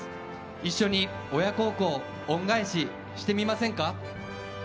一緒に親孝行、恩返ししてみませんか？